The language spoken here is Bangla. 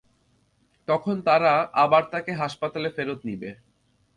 তখন তারা আবার তাকে হাসপাতালে ফেরত নিবে।